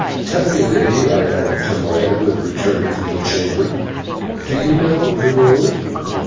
Tell me, Lady," I added to Maya, who had returned from the chamber, "do you know the road?"